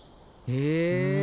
へえ。